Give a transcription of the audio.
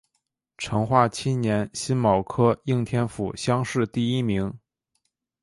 成化七年辛卯科应天府乡试第一名。